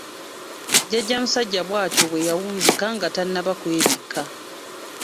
Jjajja musajja bw'atyo bwe yawunzika nga tannaba kwebikka.